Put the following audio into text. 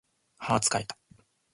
はー疲れた